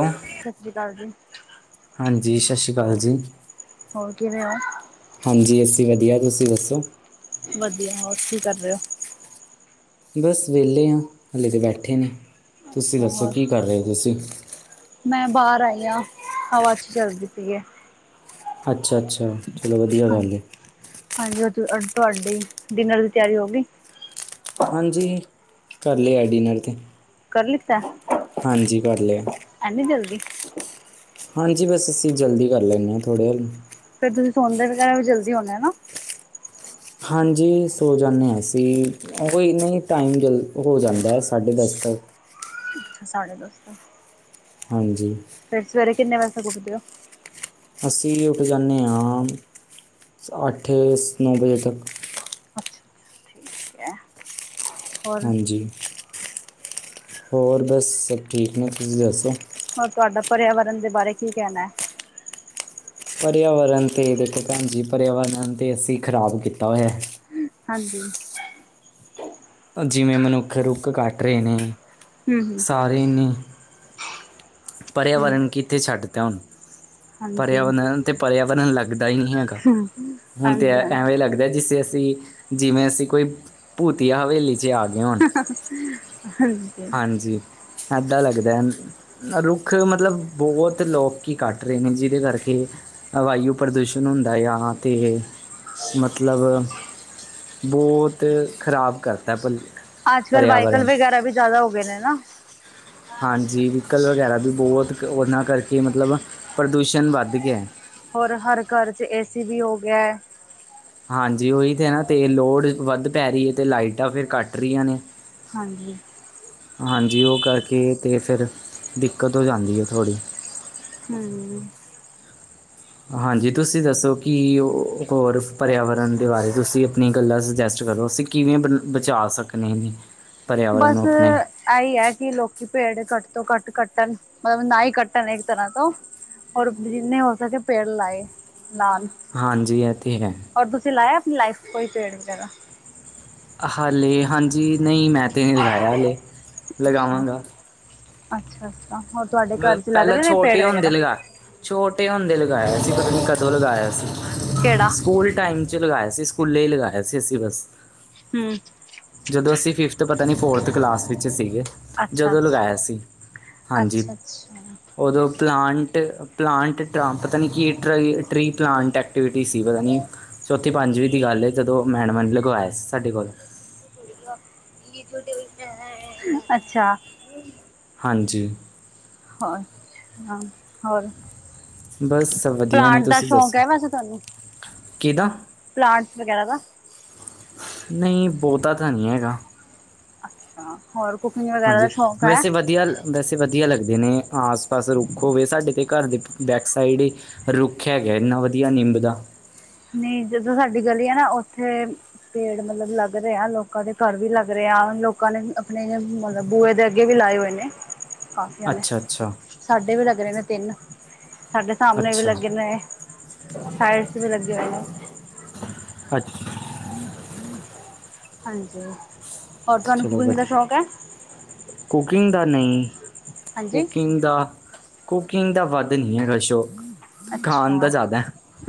Bye. ਸਸਰੀਕਾਲ ਜੀ। ਹਾਂਜੀ, ਸਸੀਕਾਲ ਜੀ। ਹੋਰ ਕਿਵੇਂ ਓੰ? ਹਾਂਜੀ ਅਸੀਂ ਵਧੀਆ, ਤੁਸੀਂ ਦੱਸੋ? ਵਧੀਆ, ਹੋਰ ਕੀ ਕਰ ਰਹੇ ਓ? ਬਸ ਵਿਹਲੇ ਆ, ਹਲੇੇ ਤਾਂ ਬੈਠੇ ਨੇ, ਤੁਸੀਂ ਅੱਛਾ ਦੱਸੋ ਹੋਰ, ਕੀ ਕਰ ਰਹੇ ਹੋ ਤੁਸੀਂ? ਮੈਂ ਬਾਹਰ ਆਈ ਆ, ਹਵਾ ਅੱਛੀ ਚੱਲਦੀ ਪਈ ਏ। ਅੱਛਾ-ਅੱਛਾ। ਚਲੋ ਵਧੀਆ ਹਾਂ ਗੱਲ ਏ। ਹਾਂਜੀ, ਉਹ ਤੁ ਤੁਹਾਡੀ, ਡਿਨਰ ਦੀ ਤਿਆਰੀ ਹੋ ਗਈ। ਹਾਂਜੀ, ਕਰ ਲਿਆ ਡਿਨਰ ਤੇ। ਕਰ ਲਿਤਾ? ਹਾਂਜੀ, ਕਰ ਲਿਆ। ਜਲਦੀ? ਹਾਂਜੀ, ਬਸ ਅਸੀਂ ਜਲਦੀ ਕਰ ਲੈਂਨੇ ਆ ਥੋੜ੍ਹੇ ਫੇਰ ਤੁਸੀਂ ਸੌਦੇ ਵਗੈਰਾ ਵੀ ਜਲਦੀ ਹੋਣੇ ਨਾ? ਹਾਂਜੀ ਸੋ ਜਾਂਨੇ ਆਂ ਅਸੀਂ, ਉਹ ਕੋਈ ਨਹੀਂ ਟਾਈਮ ਜਲਦੀ ਹੋ ਜਾਂਦਾ ਸਾਢੇ ਦਸ ਤੱਕ। ਸਾਢੇ ਦਸ ਤੱਕ। ਹਾਂਜੀ। ਫਿਰ ਸਵੇਰੇ ਕਿੰਨੇ ਵਜੇ ਤੋਂ ਉੱਠਦੇ ਓ? ਅਸੀਂ ਉੱਠ ਜਾਂਨੇ ਆ, ਅੱਠ -ਨੌ ਵਜੇ ਤੱਕ। ਅੱਛਾ ਅੱਛਾ ਠੀਕ ਹੈ, ਹੋਰ ਹਾਂਜੀ, ਹੋਰ ਬਸ ਸਭ ਠੀਕ ਨੇ, ਤੁਸੀਂ ਦੱਸੋ? ਹੋਰ ਤੁਹਾਡਾ ਪਰਿਆਵਰਨ ਦੇ ਬਾਰੇ ਕੀ ਕਹਿਣਾ ਐ‌? ਪਰਿਆਵਰਨ 'ਤੇ ਦੇਖੋ ਭੈਣ ਜੀ, ਪਰਿਆਵਰਨ ਤੇ ਅਸੀਂ ਖ਼ਰਾਬ ਕੀਤਾ ਹੋਇਆ। ਹਾਂਜੀ। ਜਿਵੇਂ ਮਨੁੱਖ ਰੁੱਖ ਕੱਟ ਰਹੇ ਨੇ, ਹੂੰ ਹੂੰ ਸਾਰੇ ਏਨੇ ਹੂੰ, ਪਰਿਆਵਰਨ ਕਿੱਥੇ ਛੱਡ ਤਾਂ ਹੁਣ, ਹਾਂਜੀ ਪਰਿਆਵਰਨ ਤੇ ਪਰਿਆਵਰਨ ਲੱਗਦਾ ਹੀ ਨਹੀਂ ਹੈਗਾ। ਹੁਣ ਤੇ ਹਾਂਜੀ ਹਾਂਜੀ ਐਵੇਂ ਲੱਗਦਾ ਜਿਸੇ ਅਸੀਂ ਜਿਵੇਂ ਅਸੀਂ ਕੋਈ ਭੂਤੀਆ ਹਵੇਲੀ ਚ ਆਗੇ ਹੋਣ। ਹਾਂਜ ਹਾਂਜੀ, ਏਦਾਂ ਲੱਗਦਾ ਐਨ ਰੁੱਖ ਮਤਲਬ, ਬਹੁਤ ਲੋਕੀ ਕੱਟ ਰਹੇ ਨੇ। ਜੀਹਦੇ ਕਰਕੇ ਹਵਾਯੂ ਪ੍ਰਦੂਸ਼ਣ ਹੁੰਦਾ ਆ ਨਾ ਤੇ ਮਤਲਬ ਬੋਤ ਖ਼ਰਾਬ ਕਰਤਾ ਪਲ ਅੱਜ-ਕੱਲ੍ਹ ਵਾਈਕਲ ਪਰਿਆਵਰਨ ਵਗੈਰਾ ਵੀ ਜ਼ਿਆਦਾ ਹੋਗੇ ਨੇ ਨਾ। ਹਾਂਜੀ, ਵਹੀਕਲ ਵਗੈਰਾ ਵੀ ਬਹੁਤ। ਉਹਨਾਂ ਕਰਕੇ ਮਤਲਬ ਪ੍ਰਦੂਸ਼ਣ ਵੱਧ ਗਿਆ। ਹੋਰ, ਹਰ ਘਰ 'ਚ ਏਸੀ ਵੀ ਹੋ ਗਿਆ। ਹਾਂਜੀ, ਉਹੀ ਤੇ ਨਾ ਤੇ ਲੋਡ ਵੱਧ ਪੈ ਰਹੀ ਐ ਤੇ ਲਾਈਟਾਂ ਫਿਰ ਕੱਟ ਰਹੀਆਂ ਨੇ। ਹਾਂਜੀ। ਹਾਂਜੀ, ਉਹ ਕਰਕੇ ਤੇ ਫਿਰ ਦਿੱਕਤ ਹੋ ਜਾਂਦੀ ਐ ਥੋੜ੍ਹੀ। ਹਮ। ਹਾਂਜੀ। ਤੁਸੀਂ ਦੱਸੋ ਕਿ ਓ, ਹੋਰ ਪਰਿਆਵਰਨ ਦੇ ਬਾਰੇ ਤੁਸੀਂ ਆਪਣੀਆਂ ਗੱਲਾਂ ਸੁਜੈਸਟ ਕਰੋ। ਅਸੀਂ ਕਿਵੇਂ ਬ ਬਚਾ ਸਕਦੇ ਏਨੇ। ਬਸ ਐਈਐ ਕਿ ਲੋਕੀ ਪੇੜ ਘੱਟ ਤੋਂ ਘੱਟ ਕੱਟਣ। ਮਲਬ ਨਾ ਈ ਕੱਟਣ ਇੱਕ ਤਰ੍ਹਾਂ ਤੋਂ ਔਰ ਜਿੰਨੇ ਹੋ ਸਕੇ ਪੇੜ ਲਾਏ-ਲਾਨ। ਹਾਂਜੀ, ਐ ਤੇ ਹੈ। ਔਰ ਤੁਸੀਂ ਲਾਇਆ ਆਪਣੀ ਲਾਈਫ 'ਚ ਕੋਈ ਪੇੜ ਵਗੈਰਾ। ਹਾਲੇ ਹਾਂਜੀ। ਨਹੀਂ ਮੈਂ ਤੇ ਨੀ ਲਗਾਇਆ ਹਾਲੇ, ਲਗਾਵਾਂਗਾ। ਅੱਛਾ-ਅੱਛਾ। ਹੋਰ, ਤੁਹਾਡੇ ਘਰ 'ਚ ਲੱਗ ਪਹਿਲਾਂ ਰਹੇ ਨੇ ਪੇੜ ਛੋਟੇ ਹੁੰਦੇ ਵਗੈਰਾ। ਲਗਾ ਛੋਟੇ ਹੁੰਦੇ ਲਗਾਇਆ ਸੀ। ਪਤਾ ਨੀ ਕਦੋਂ ਲਗਾਇਆ ਸੀ। ਕਿਹੜਾ ਸਕੂਲ ਟਾਈਮ 'ਚ ਲਗਾਇਆ ਸੀ। ਸਕੂਲੇ ਈ ਲਗਾਇਆ ਸੀ, ਅਸੀਂ ਬੱਸ। ਹਮ। ਜਦੋਂ ਅਸੀਂ ਫਿਫਥ ਪਤਾ ਨੀ, ਫੋਰਥ ਕਲਾਸ ਵਿੱਚ ਸੀਗੇ। ਅੱਛਾ ਜਦੋਂ ਲਗਾਇਆ ਸੀ, ਹਾਂਜੀ। ਅੱਛਾ‌। ਉਦੋਂ ਪਲਾਂਟ-ਪਲਾਂਟ ਟਰਾਂ, ਪਤਾ ਨੀ ਕਿ ਟ-ਟ੍ਰੀ ਪਲਾਂਟ ਐਕਟੀਵਿਟੀ ਸੀ ਪਤਾ ਨ੍ਹੀ। ਚੌਥੀ-ਪੰਜਵੀਂ ਦੀ ਗੱਲ ਏ। ਜਦੋਂ ਮੈਡਮਾਂ ਨੇ ਲਗਵਾਇਆ ਸੀ, ਸਾਡੇ ਕੋਲ। [unintelligible] ਅੱਛਾ। ਹਾਂਜੀ। ਅੱਛਾ ਹੋਰ, ਬਸ ਪਲਾਂਟ ਦਾ ਸ਼ੌਕ ਐ ਵੈਸੇ ਤੁਹਾਨੂੰ। ਕੀਦਾ। ਪਲਾਂਟਸ ਵਗੈਰਾ ਦਾ। ਨਹੀਂ ਬਹੁਤਾ ਤਾਂ ਨੀ ਹੈਗਾ। ਹਾਂ, ਹੋਰ ਕੁਕਿੰਗ ਵਗੈਰਾ ਦਾ ਹਾਂਜੀ ਸ਼ੌਂਕ ਐ? ਵੈਸੇ ਵਧੀਆ ਵੈਸੇ ਵਧੀਆ ਲੱਗਦੇ ਨੇ, ਆਸ-ਪਾਸ ਰੁੱਖ ਹੋਵੇ। ਸਾਡੇ ਤੇ ਘਰ ਦੇ ਬੈਕ ਸਾਈਡ ਈ ਰੁੱਖ ਹੈਗਾ, ਇੰਨਾ ਵਧੀਆ ਨਿੰਬ ਦਾ। ਨਹੀਂ ਜਿੱਧਰੋਂ ਸਾਡੀ ਗਲੀ ਆ ਨਾ, ਉੱਥੇ ਪੇੜ ਮਤਲਬ ਲੱਗ ਰਹੇ ਆ। ਲੋਕਾਂ ਦੇ ਘਰ ਵੀ ਲੱਗ ਰਹੇ ਆ। ਲੋਕਾਂ ਨੇ ਆਪਣੇ ਬੂਹੇ ਦੇ ਅੱਗੇ ਵੀ ਲਾਏ ਹੋਏ ਨੇੇ, ਕਾਫੀਆਂ ਨੇ। ਅੱਛਾ-ਅੱਛਾ, ਸਾਡੇ ਵੀ ਲੱਗ ਰਹੇ ਨੇ ਤਿੰਨ ਹਾਡੇ ਸਾਹਮਣੇ ਵੀ ਅੱਛਾ, ਲੱਗੇ ਨੇ। ਸਾਈਡ ਤੇ ਵੀ ਲੱਗੇ ਹੋਏ ਨੇ। [inaudible] ਹਾਂਜੀ। ਹੋਰ ਤੁਵਾਨੂੰ ਚਲੋ ਕੂਕਿੰਗ ਦਾ ਵਧੀਆ ਸ਼ੌਕ ਐ? ਕੁਕਿੰਗ ਦਾ ਨਹੀਂ। ਹਾਂਜੀ ਕੁਕਿੰਗ ਦਾ ਕੁਕਿੰਗ ਦਾ ਵੱਧ ਨੀ ਹੈਗਾ ਸ਼ੌਕ। ਖਾਣ ਅੱਛਾ। ਦਾ ਜ਼ਿਆਦਾ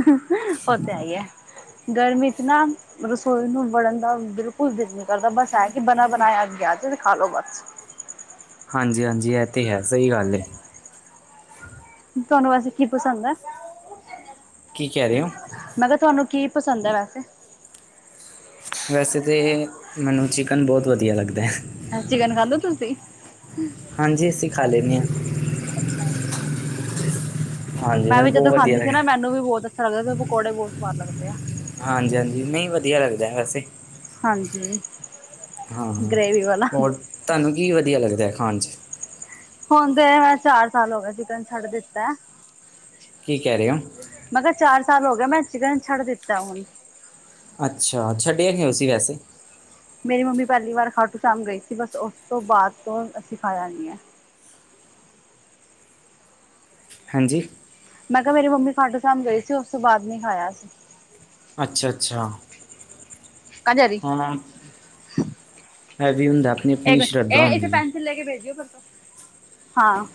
ਉਹ ਤੇ ਹੈ ਈ ਐ। ਗਰਮ ਇਤਨਾ ਰਸੋਈ ਨੂੰ ਵੜਨ ਦਾ ਬਿਲਕੁਲ ਦਿਲ ਨੀ ਕਰਦਾ। ਬਸ ਐ ਕਿ ਬਣਾ-ਬਣਾਇਆ ਆ ਗਿਆ ਤੇ ਖਾ ਲੋ ਬਸ। ਹਾਂਜੀ-ਹਾਂਜੀ, ਇਹ ਤੇ ਹੈ ਸਹੀ ਗੱਲ ਏ। ਤੁਹਾਨੂੰ ਵੈਸੇ ਕੀ ਪਸੰਦ ਹੈ? ਕੀ ਕਹਿ ਰਹੇ ਹੋ? ਮੈਂ ਕਿਹਾ ਤੁਹਾਨੂੰ ਕੀ ਪਸੰਦ ਹੈ ਵੈਸੇ? ਵੈਸੇ ਤੇ, ਮੈਨੂੰ ਚਿਕਨ ਬਹੁਤ ਵਧੀਆ ਲੱਗਦਾ। ਚਿਕਨ ਖਾਂਦੇ ਹੋ ਤੁਸੀਂ ਹਾਂਜੀ ਅਸੀਂ ਖਾ ਲੈਣੇ ਆ। ਅੱਛਾ-ਅੱਛਾ। ਹਾਂਜੀ ਮੈਂ ਵੀ ਮੈਨੂੰ ਜਦੋਂ ਬਹੁਤ ਵਧੀਆ ਖਾਂਦੀ ਸੀ ਲੱਗਦਾ ਨਾ ਮੈਨੂੰ ਵੀ ਬਹੁਤ ਅੱਛਾ ਲੱਗਦਾ ਸੀ, ਮੈਂ ਨੂੰ ਪਕੌੜੇ ਬਹੁਤ ਸਵਾਦ ਲੱਗਦੇ ਆ। ਹਾਂਜੀ-ਹਾਂਜੀ, ਨਹੀਂ ਵਧੀਆ ਲੱਗਦਾ ਐ ਵੈਸੇ। ਹਾਂਜੀ, ਹਾਂ ਗਰੇਵੀ ਵਾਲਾ। ਹੋਰ ਤੁਹਾਨੂੰ ਕੀ ਵਧੀਆ ਲੱਗਦਾ ਹੈ ਖਾਣ ਚ? ਹੁਣ ਤੇ ਮੈਂ, ਚਾਰ ਸਾਲ ਹੋ ਗਏ ਚਿਕਨ ਛੱਡ ਦਿੱਤਾ। ਕੀ ਕਹਿ ਰਹੇ ਹੋ? ਮੈਂ ਕਿਹਾ ਚਾਰ ਸਾਲ ਹੋ ਏ, ਮੈਂ ਚਿਕਨ ਛੱਡ ਦਿੱਤਾ ਹੁਣ। ਅੱਛਾ, ਛੱਡਿਆ ਕਿਉਂ ਸੀ ਵੈਸੇ? ਮੇਰੀ ਮੰਮੀ ਪਹਿਲੀ ਵਾਰ ਖਾਟੂ ਸ਼ਾਮ ਗਈ ਸੀ। ਬਸ ਉਸ ਤੋਂ ਬਾਅਦ ਤੋਂ ਅਸੀ ਖਾਇਆ ਨੀ ਐ। ਹਾਂਜੀ? ਮੈਂ ਕਿਹਾ ਮੇਰੀ ਮੰਮੀ ਖਾਟੂ ਸ਼ਾਮ ਗਈ ਸੀ, ਉਸ ਤੋਂ ਬਾਅਦ ਨੀ ਖਾਇਆ ਅਸੀ। ਅੱਛਾ -ਅੱਛਾ। ਕਾਂ ਜਾ ਰਹੀ ਹਾਂ ਇਹ ਵੀ ਹੁੰਦਾ ਆਪਣੀ- ਆਪਣੀ ਇੱਕ ਮਿੰਟ ਸ਼ਰਧਾ ਇਹ ਇੱਥੇ ਹੁੰਦੀ ਹੈ। ਪੈਨਸਿਲ ਲੈ ਕੇ ਭੇਜ ਦਿਓ, ਪਰਸੋਂ ਹਾਂ।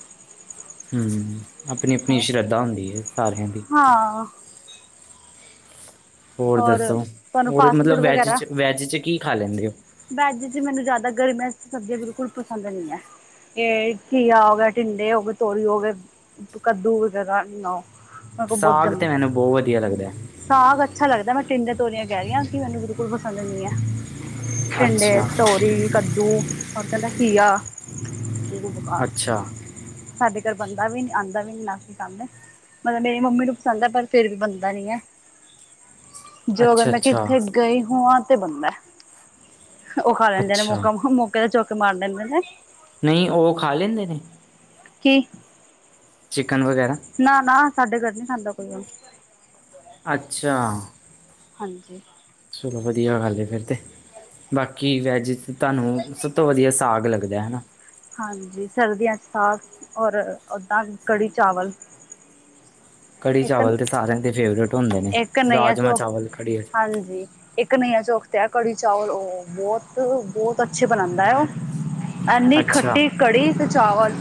ਹਮਮ, ਆਪਣੀ- ਆਪਣੀ ਸ਼ਰਧਾ ਹੁੰਦੀ ਹੈ, ਸਾਰਿਆਂ ਦੀ। ਹਾਂ। ਹੋਰ ਦੱਸੋ, ਤੁਹਾਨੂੰ ਹੋਰ ਫਾਸਟ ਮਤਲਬ ਫੂਡ ਵੈਜ 'ਚ ਵੈਜ 'ਚ ਕੀ ਖਾ ਲੈਂਦੇ ਓ? ਵੈਜ਼ 'ਚ ਮੈਨੂੰ, ਜਿਆਦਾ ਗਰਮੀਆਂ ਦੀ ਸਬਜ਼ੀਆਂ ਬਿਲਕੁੱਲ ਪਸੰਦ ਨਹੀਂ ਐ। ਇਹ ਘੀਆ ਹੋ ਗਿਆ, ਢਿੰਡੇ ਹੋ ਗਏ, ਤੋਰੀ ਹੋ ਗਏ। ਤੂੰ ਕੱਦੂ ਵਗੈਰਾ ਨੋ ਮੇਰੇ ਕੋਲ ਬਹੁਤ ਸਾਗ ਗੰਦ ਤਾਂ ਮੈਨੂੰ ਬਹੁਤ ਵਧੀਆ ਲੱਗਦਾ ਸਾਂਗ ਅੱਛਾ ਲੱਗਦਾ, ਮੈਂ ਟਿੰਡੇ ਤੋਰੀਆਂ ਕਹਿ ਰਹੀ ਹਾਂ ਕਿ, ਮੈਨੂੰ ਬਿਲਕੁੱਲ ਪਸੰਦ ਨਹੀ ਐ। ਟਿੰਡੇ, ਅੱਛਾ ਤੋਰੀ। ਕੱਦੂ ਹੋਰ ਕਹਿੰਦਾ, ਘੀਆ ਬਿੱਲਕੁੱਲ ਬੇਕਾਰ। ਅੱਛਾ ਸਾਡੇ ਘਰ ਬੰਨਦਾ ਵੀ ਨੀ, ਆਂਦਾ ਵੀ ਨੀ ਨਾ ਅਸੀ ਖਾਂਦੇ। ਮਤਲਬ ਮੇਰੀ ਮੰਮੀ ਨੂੰ ਪਸੰਦ ਐ, ਪਰ ਫੇਰ ਵੀ ਬੰਨਦਾ ਨੀ ਐ। ਜੋ ਅੱਛਾ ਮੈਂ ਅੱਛਾ ਕਿੱਥੇ ਗਈ ਹੂਆ ਤੇ ਬਣਦਾ। ਉਹ ਖਾ ਲੈਂਦੇ ਨੇ, ਅੱਛਾ ਮੌਕਾ -ਮੌਕੇ ਤੇ ਚੌਕੇ ਮਾਰ ਲੈਂਦੇ ਨੇ। ਨਹੀ ਉਹ ਖਾਂ ਲੈਂਦੇ ਨੇ? ਕੀ? ਚਿਕਨ ਵਗੈਰਾ। ਨਾ ਨਾ ਸਾਡੇ ਘਰ ਨੀ ਖਾਂਦਾ ਕੋਈ ਹੁਣ। ਅੱਛਾ ਆ। ਹਾਂਜੀ। ਚਲੋ ਵਧੀਆ, ਗੱਲ ਏ ਫਿਰ ਤੇ। ਬਾਕੀ ਵੈਜ 'ਚ ਤੁਹਾਨੂੰ ਸਭ ਤੋਂ ਵਧੀਆ ਸਾਂਗ ਲੱਗਦਾ ਹਨਾ। ਹਾਂਜੀ, ਸਰਦੀਆਂ 'ਚ ਸਾਂਗ ਔਰ ਉੱਦਾਂ ਕੜੀ ਚਾਵਲ। ਕੜੀ ਇੱਕ ਚਾਵਲ ਤੇ ਸਾਰਿਆਂ ਦੇ ਫੇਵਰੇਟ ਹੁੰਦੇ। ਨੇ ਇੱਕ ਘੱਨਇਆ ਰਾਜਮਾਂ ਚੌਕ ਚਾਵਲ ਕੜੀ ਹਾਂਜੀ। ਇੱਕ ਘੱਨਈਆ ਚੌਕ ਤੇ ਆ ਕੜੀ ਚਾਵਲ ਉਹ ਬਹੁਤ-ਬਹੁਤ ਅੱਛੇ ਬਣਾਉਂਦਾ ਹੈ ਉਹ ਐਨੀ ਅੱਛਾ ਖੱਟੀ ਕੜੀ ਤੇ ਚਾਵਲ।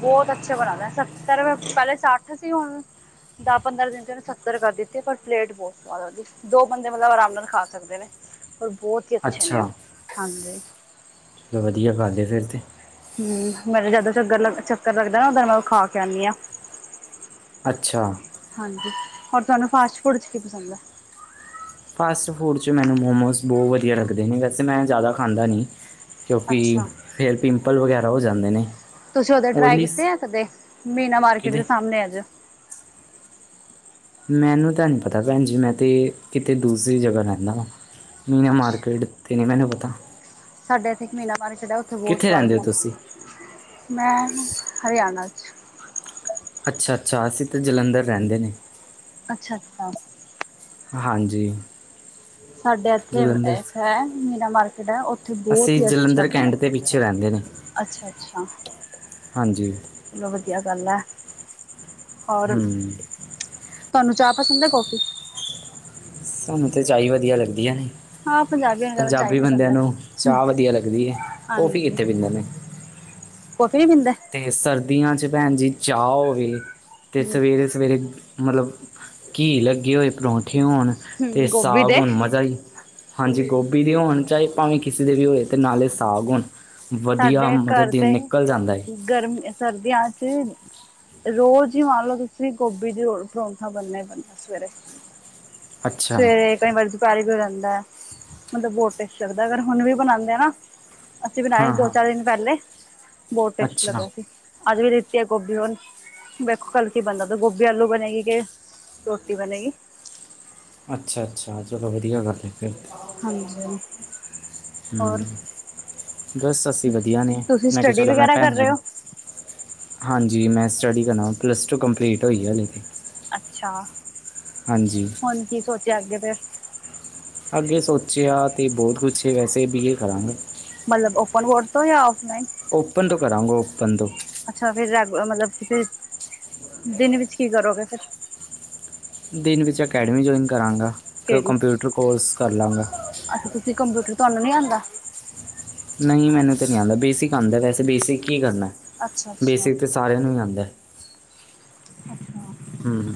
ਬਹੁਤ ਅੱਛੇ ਬਣਾਂਦਾ ਸੱਤਰ ਰੁਪਏ ਪਹਿਲੇ ਸੱਠ ਸੀ ਹੁਣ ਦਸ-ਪੰਦਰਾਂ ਦਿਨ ਤੇ ਉਹਨ ਸ ਦਿੱਤੀ ਪਰ ਪਲੇਟ ਬਹੁਤ ਸਵਾਦ ਲੱਗਦੀ ਦੋ ਬੰਦੇ ਮਤਲਬ ਆਰਾਮ ਨਾਲ ਖਾ ਸਕਦੇ ਨੇ। ਪਰ ਬਹੁਤ ਹੀ ਅੱਛੇ ਨੇ [inaudible] ਅੱਛਾ ਉਹ ਹਾਂਜੀ ਵਧੀਆ ਕਰਦੇ ਫਿਰ ਤੇ ਹੂੰ ਮੇਰੇ ਜਦੋਂ ਚੱਕਰ ਲ ਚੱਕਰ ਲੱਗਦਾ ਨਾ ਉਦਰ ਮੈਂ ਉਹ ਖਾ ਕੇ ਆਉਂਦੀ ਹਾਂ। ਅੱਛਾ ਹਾਂਜੀ ਹੋਰ ਤੁਹਾਨੂੰ ਫਾਸਟ-ਫੂਡ ਚ ਕੀ ਪਸੰਦ ਐ। ਫਾਸਟ ਫੂਡ 'ਚ ਮੈਨੂੰ ਮੋਮੋਸ ਬਹੁਤ ਵਧੀਆ ਲੱਗਦੇ ਨੇ ਵੈਸੇ ਮੈਂ ਜ਼ਿਆਦਾ ਖਾਂਦਾ ਨਹੀਂ ਕਿਉਂਕਿ ਅੱਛਾ। ਫੇਰ [unintelligible] ਪਿੰਪਲ ਵਗੈਰਾ ਹੋ ਜਾਂਦੇ ਨੇ। ਤੁਸੀਂ ਉਦੇ ਟਰਾਈ ਓਇਲੀ ਕੀਤੇ ਆ ਕਦੇ [unintelligible] ਮੀਨਾ ਮਾਰਕੀਟ ਦੇ ਕਿਤੇ ਸਾਹਮਣੇ ਆ ਜੋ। ਮੈਨੂੰ ਤਾਂ ਨੀਂ ਪਤਾ ਭੈਣ ਜੀ ਮੈਂ ਤੇ ਕਿਤੇ ਦੂਸਰੀ ਜਗ੍ਹਾ ਰਹਿੰਦਾ ਵਾਂ। [unintelligible] ਮੀਨਾ ਅੱਛਾ। ਮਾਰਕੀਟ ਕਿਥੇ ਨੀ ਮੈਨੂੰ ਪਤਾ ਸਾਡੇ ਇੱਥੇ ਇਕ ਮੀਨਾ ਮਾਰਕੀਟ ਆ ਉੱਥੇ ਬਹੁਤ ਕਿੱਥੇ ਸਵਾਦ ਰਹਿੰਦੇ ਹੋ ਮੋਮੋਜ ਤੁਸੀਂ ਮਿਲਦੇ [unintelligible] ਮੈਂ ਹਰਿਆਣਾ ਚ ਅੱਛਾ ਅੱਛਾ ਅਸੀਂ ਤਾਂ ਜਲੰਧਰ ਰਹਿੰਦੇ ਨੇ। ਅੱਛਾ ਅੱਛਾ ਹਾਂਜੀ [unintelligible] ਸਾਡੇ ਇੱਥੇ ਜਲੰਧਰ ਇੱਕ ਹੈ ਮੀਨਾ ਮਾਰਕੀਟ ਹੈ ਉੱਥੇ ਬਹੁਤ ਅਸੀਂ ਹੀ ਅੱਛਾ ਜਲੰਧਰ ਬਣਦਾ ਕੈਂਟ ਦੇ ਪਿੱਛੇ ਰਹਿੰਦੇ ਨੇ [unintelligible] ਅੱਛਾ ਅੱਛਾ [unintelligible] [unintelligible] ਹਾਂਜੀ ਚਲੋ ਵਧੀਆ ਗੱਲ ਐ [unintelligible] ਹੋਰ [unintelligible] [unintelligible] ਹੂੰ ਤੁਹਾਨੂੰ ਚਾਹ ਪਸੰਦ ਹੈ ਕਿ ਕੌਫੀ। ਸਾਨੂੰ ਤੇ ਚਾਹ ਹੀ ਵਧੀਆ ਲੱਗਦੀ ਹੈ ਨਈ ਹਾਂ ਪੰਜਾਬੀਆਂ ਨੂੰ ਜ਼ਿਆਦਾ ਚਾਹ ਈ ਪੰਜਾਬੀ ਪਸੰਦ ਬੰਦਿਆਂ ਐ। ਨੂੰ ਚਾਹ ਵਧੀਆ ਲੱਗਦੀ ਹੈ ਕੌਫੀ ਇਥੇ ਪੀਂਦੇ ਨੇ। ਕੋਫੀ ਨੀ ਪੀਂਦੇ ਤੇ ਸਰਦੀਆਂ 'ਚ ਭੈਣ ਜੀ ਚਾਹ ਹੋਵੇ [unintelligible] ਤੇ ਹੂੰ, ਸਵੇਰੇ-ਸਵੇਰੇ ਮਤਲਬ [unintelligible] ਘੀ ਲੱਗੇ ਹੋਏ ਪਰੌਂਠੇ ਹੋਣ [unintelligible] ਅਤੇ ਹੂੰ ਗੋਭੀ ਸਾਗ ਦੇ ਹੋਣ ਮਜ਼ਾ ਹੀ ਹਾਂਜੀ ਗੋਭੀ ਦੇ ਹੋਣ ਚਾਹੇ ਭਾਵੇਂ ਕਿਸੇ ਦੇ ਵੀ ਹੋਏ ਤੇ ਨਾਲੇ ਸਾਗ ਹੋਣ ਵਧੀਆ ਮਤਲਬ ਦਿਨ ਨਿਕਲ ਜਾਂਦਾ ਏ। ਗਰਮੀਆ, ਸਰਦੀਆਂ 'ਚ ਰੋਜ਼ ਹੀ ਮੰਨ ਲਓ ਤੁਸੀਂ ਗੋਭੀ ਦੀ ਪਰੌਂਠਾ ਬਣਨਾ ਹੀ ਬਣਨਾ ਸਵੇਰੇ [unintelligible] ਅੱਛਾ ਸਵੇਰੇ ਕਈ ਵਾਰੀ ਦੁਪਹਿਰੇ ਵੀ ਹੋ ਜਾਂਦਾ [unintelligible] ਮਤਲਬ ਬਹੁਤ ਟੇਸਟੀ ਲੱਗਦਾ ਅਗਰ ਹੁਣ ਵੀ ਬਣਾਂਦੇ ਆ ਨਾ ਅਸੀਂ ਬਣਾਏ ਹਾਂ ਸੀ ਦੋ ਹਾਂ ਚਾਰ ਦਿਨ ਪਹਿਲੇ [inaudible] ਬਹੁਤ ਟੇਸਟ ਅੱਛਾ ਲੱਗਿਆ ਸੀ ਅੱਜ ਵੀ ਲਿਤੀ ਆ ਗੋਭੀ ਹੁਣ ਵੇਖੋ ਕੱਲ ਕੀ ਬਣਦਾ ਤ ਗੋਭੀ ਆਲੂ ਬਣੇਗੀ ਕਿ ਰੋਟੀ ਬਣੇਗੀ। ਅੱਛਾ ਅੱਛਾ ਚਲੋ ਵਧੀਆ ਨਾ ਫੇਰ [unintelligible] ਹਾਂਜੀ [unintelligible] [unintelligible] ਹੂੰ ਹੋਰ ਬਸ ਅਸੀਂ ਵਧੀਆ ਨੇ ਤੁਸੀਂ ਮੈਂ ਕਿਹਾ ਸਟੱਡੀ ਚਲੋ ਮੈਂ ਵਗੈਰਾ ਕਰ ਭੈਣ ਜੀ ਰਹੇ ਨੂੰ ਹੋ [unintelligible] ਹਾਂਜੀ ਮੈਂ ਸਟੱਡੀ ਕਰਨਾ ਪਲੱਸ ਟੂ ਕੰਪਲੀਟ ਹੋਈ ਹੈ ਹਲੇੇ ਤੇ ਅੱਛਾ [inaudible] ਹਾਂਜੀ ਹੁਣ ਕੀ ਸੋਚਿਆ ਅੱਗੇ ਫੇਰ? ਅੱਗੇ ਸੋਚਿਆ ਤੇ ਬਹੁਤ ਕੁਛ ਵੈਸੇ ਬੀ ਏ ਕਰਾਂਗਾ ਮਤਲਬ ਓਪਨ ਬੋਰਡ ਤੋਂ ਯਾਂ ਔਫਲਾਈਨ। ਓਪਨ ਤੋਂ ਕਰਾਂਗਾ ਓਪਨ ਤੋਂ। ਅੱਛਾ ਫੇਰ ਰੈਗ ਮਤਲਬ ਕਿ ਫ ਦਿਨ ਵਿੱਚ ਕੀ ਕਰੋਗੇ ਫੇਰ? ਦਿਨ ਵਿੱਚ ਅਕੈਡਮੀ ਜੁਆਇਨ ਕਰਾਂਗਾ ਕੋ ਕਿਹੜੀ ਕੰਪਿਊਟਰ ਕੋਰਸ ਕਰ ਲਾਂਗਾ। ਅੱਛਾ, ਤੁਸੀ ਕੰਪਿਊਟਰ ਤੁਆਨੂੰ ਨੀ ਆਂਦਾ? ਨਈ ਮੈਨੂੰ ਤੇ ਨੀ ਆਂਦਾ। ਬੇਸਿਕ ਆਂਦਾ ਵੈਸੇ ਬੇਸਿਕ ਈ ਕਰਨੈ। ਅੱਛਾ ਅੱਛਾ ਬੇਸਿਕ ਤੇ ਸਾਰੇਆਂ ਨੂੰ ਈ ਆਦੈ। ਅਛਾ। ਹੂੰ।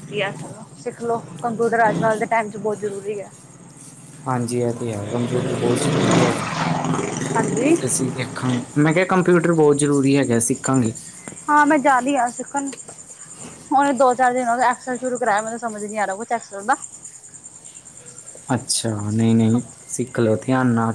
ਵਧੀਆ ਸਿੱਖਲੋ ਕੰਪਿਊਟਰ ਅੱਜ ਕੱਲ ਦੇ ਟੈਮ ਚ ਬੋਤ ਜਰੂਰੀ ਐ। ਹਾਂਜੀ ਐ ਤੇ ਹੈ ਕੰਪਿਊਟਰ ਬੋਤ ਜ਼ਰੂਰੀ ਹੈਗੈ ਹਾਂਜੀ ਅਸੀ ਵੇ, ਖਾਂ ਮੈਂ ਕੇਆ ਕੰਪਿਊਟਰ ਬੋਤ ਜਰੂਰੀ ਹੈਗਾ ਸਿੱਖਾਂਗੇ। ਹਾਂ ਮੈਂ ਜਾ ਰੀ ਆ ਸਿੱਖਣ। ਹੁਨੇ ਦੋ ਚਾਰ ਦਿਨ ਹੋਗੇ। ਐਕਸਲ ਸ਼ੁਰੂ ਕਰਾਆ ਮੈਨੂੰ ਸਮਝ ਨੀ ਆ ਰੇਆ ਕੁਛ ਐਕਸਲ ਦਾ। ਅੱਛਾ, ਨਈ ਨਈ ਸਿੱਖਲਓ ਧਿਆਨ ਨਾਲ।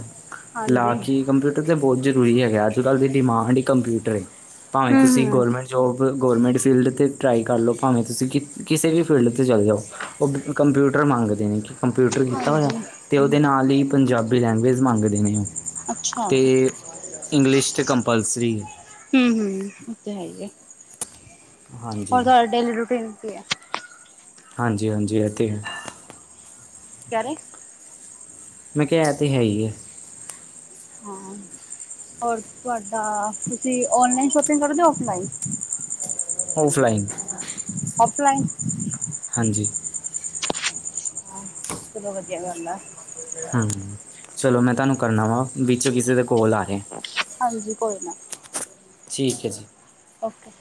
ਹਾਂਜੀ ਲਾ ਕੀ ਕੰਪਿਊ ਤੇ ਬੋਤ ਜਰੂਰੀ ਹੈਗੈ। ਅੱਜ ਕੱਲ ਦੀ ਡਿਮਾਂਡ ਈ ਕੰਪਿਊਟਰ ਏ। ਭਾਵੇ ਹੂੰ ਤੁਸੀਂ ਹੂੰ ਗਵਰਮੈਂਟ ਜੋਬ ਗੌਰਮੈਂਟ ਫੀਲਡ ਤੇ ਟਰਾਈ ਕਰ ਲਓ ਭਾਵੇਂ ਕਿ ਕਿਸੇ ਵੀ ਫੀਲਡ ਤੇ ਚਲ ਜਾਓ ਓ ਕੰਪਿਊਟਰ ਮੰਗਦੇ ਨੇ ਕੰਪਿਊਟਰ ਕੀਤਾ ਹੋਏਆ ਹਾਂਜੀ ਤੇ ਓਦੇ ਨਾਲ ਈ ਪੰਜਾਬੀ ਲੈਂਗੁਏਜ ਮੰਗਦੇ ਨੇ ਓ ਅੱਛਾ ਹੂੰ ਤੇ ਇੰਗਲਿਸ਼ ਤੇ ਕੰਪਲਸਰੀ ਏ। ਹੂੰ ਹੂੰ ਓ ਤੇ ਹੈ ਈ ਏ। ਹੋਰ ਹਾਂਜੀ ਤੁਆਡਾ ਡੇਲੀ ਰੂਟੀਨ ਕੀ ਏ? ਹਾਂਜੀ ਹਾਂਜੀ, ਐ ਤੇ ਹੈ। ਕੀ ਕੈਰੇ? ਮੈਂ ਕੇਆ ਐ ਤੇ ਹੈ ਈ ਐ। ਹਾਂ ਹੋਰ ਤੁਆਡਾ ਤੁਸੀ ਔਨਲਾਈਨ ਸ਼ੋਪਿੰਗ ਕਰਦੇ ਓ ਔਫਲਾਈਨ? ਔਫਲਾਈਨ। ਔਫਲਾਈਨ। ਹਾਂਜੀ। ਹਾਂ ਚਲੋ ਵਧੀਆ ਗੱਲ ਆ। ਹਾਂ, ਚਲੋ ਮੈਂ ਤੁਆਨੂੰ ਕਰਨਾ ਵਾਂ ਵਿੱਚ ਕਿਸੇ ਦਾ ਕੋਲ ਆ ਰੇਐ। ਹਾਂਜੀ ਕੋਈ ਨਾ। ਠੀਕ ਐ ਜੀ। ਓਕੇ।